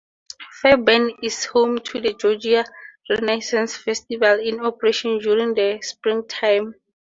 Fairburn is home to the Georgia Renaissance Festival, in operation during the springtime.